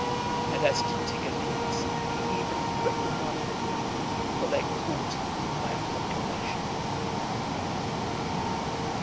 And as to Tigellinus, he even reprimanded the people for their cruelty by a proclamation.